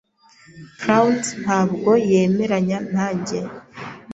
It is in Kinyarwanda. Prawns ntabwo yemeranya nanjye.